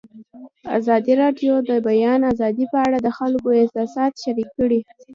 ازادي راډیو د د بیان آزادي په اړه د خلکو احساسات شریک کړي.